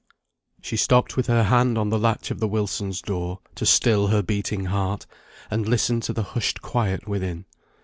She stopped with her hand on the latch of the Wilsons' door, to still her beating heart, and listened to the hushed quiet within.